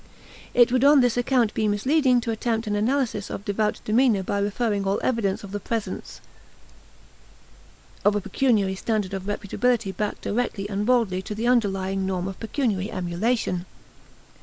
It would on this account be misleading to attempt an analysis of devout demeanor by referring all evidences of the presence of a pecuniary standard of reputability back directly and baldly to the underlying norm of pecuniary emulation.